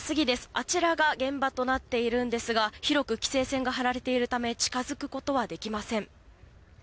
あちらが現場となっているんですが広く規制線が張られているため近づくことはできません。